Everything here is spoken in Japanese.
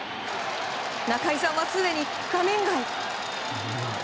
中居さんは、すでに画面外。